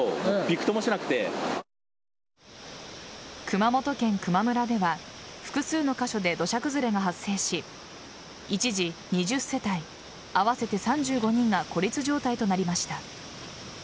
熊本県球磨村では複数の箇所で土砂崩れが発生し一時、２０世帯合わせて３５人が孤立状態となりました。